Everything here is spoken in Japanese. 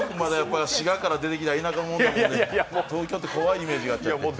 滋賀から出てきた田舎もんなんで、東京って怖いイメージがあるんで。